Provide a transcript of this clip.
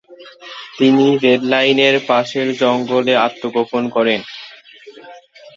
তিনি রেললাইনের পাশের জঙ্গলে আত্মগোপন করেন।